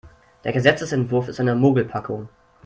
Der Gesetzesentwurf ist eine Mogelpackung.